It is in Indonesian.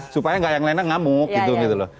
supaya gak yang lainnya ngamuk gitu